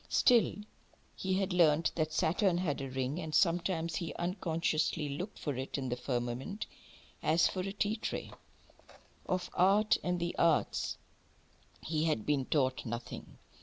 Still, he had learnt that Saturn had a ring, and sometimes he unconsciously looked for it in the firmament, as for a tea tray. Of art, and the arts, he had been taught nothing.